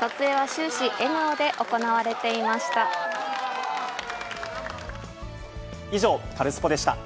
撮影は終始、笑顔で行われて以上、カルスポっ！でした。